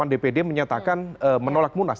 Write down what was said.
tiga puluh delapan dpd menyatakan menolak munas